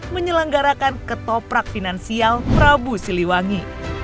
menyelenggarakan ketoprak finansial prabu siliwangi